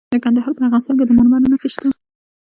د کندهار په ارغستان کې د مرمرو نښې شته.